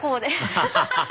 アハハハ！